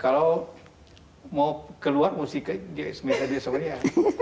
kalau mau keluar musiknya dia minta dia sendiri ya